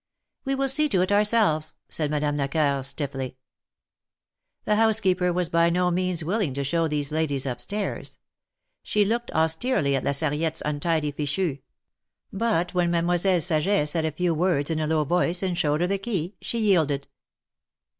" We will see to it ourselves/' said Madame Lecoeur, stiffly. The housekeeper was by no means willing to show these ladies up stairs. She looked austerely at La Sarriette's untidy fichu. But when Mademoiselle Saget said a few words in a low voice, and showed her the key, she yielded.